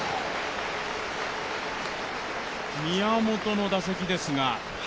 宮本の打席ですが。